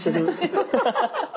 ハハハハハ！